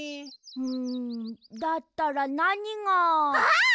んだったらなにが。あっ！